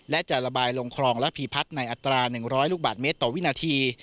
และจะระบายลงคลองระพีพัฒน์ในอัตรา๑๐๐ลูกบาทเมตรต่อวินาที